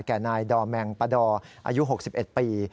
แก่นายดอแมงปะดออายุ๖๑ปี